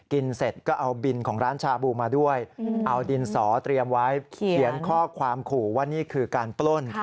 เสร็จก็เอาบินของร้านชาบูมาด้วยเอาดินสอเตรียมไว้เขียนข้อความขู่ว่านี่คือการปล้น